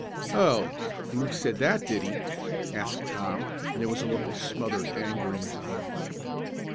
"Oh, Luke said that, did he?" asked Tom, and there was a look of smothered anger in his eyes.